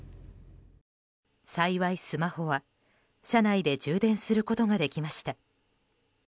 幸いスマホは、車内で充電することができました。